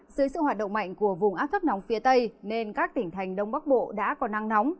dưới sự hoạt động mạnh của vùng áp thấp nóng phía tây nên các tỉnh thành đông bắc bộ đã có nắng nóng